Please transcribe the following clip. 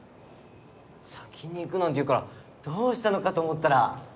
先に行くなんて言うからどうしたのかと思ったら。